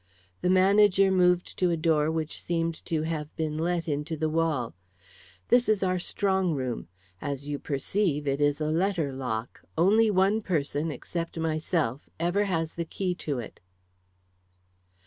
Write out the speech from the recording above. The manager moved to a door which seemed to have been let into the wall. "This is our strong room. As you perceive, it is a letter lock. Only one person, except myself, ever has the key to it."